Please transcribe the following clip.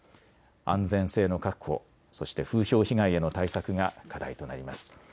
安全性の確保そして、風評被害への対策が課題となります。